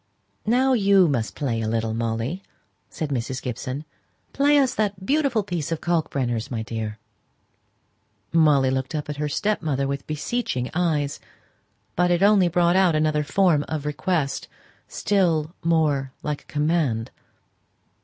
"Now, you must play a little, Molly," said Mrs. Gibson; "play us that beautiful piece of Kalkbrenner's, my dear." Molly looked up at her stepmother with beseeching eyes; but it only brought out another form of request, still more like a command.